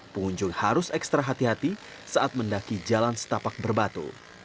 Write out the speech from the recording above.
pengunjung harus ekstra hati hati saat mendaki jalan setapak berbatu